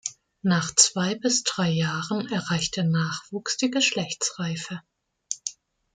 Nach zwei bis drei Jahren erreicht der Nachwuchs die Geschlechtsreife.